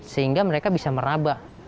sehingga mereka bisa meraba